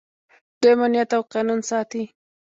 دوی امنیت او قانون ساتي.